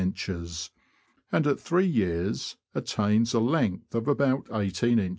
and at three years attains a length of about i8in.